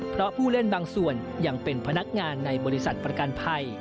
เพราะผู้เล่นบางส่วนยังเป็นพนักงานในบริษัทประกันภัย